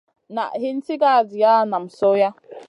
Na hin sigara jiya nam sohya.